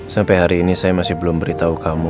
sampai hari ini saya masih belum beritahu kamu